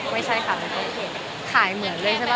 ไม่ใช่ค่ะขายเหมือนเลยใช่ป่ะ